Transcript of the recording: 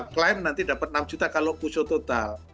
climb nanti dapat enam juta kalau kusuh total